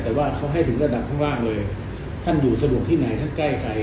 แต่ว่าเขาให้ถึงระดับข้างล่างเลยท่านอยู่สะดวกที่ไหนท่านใกล้ใคร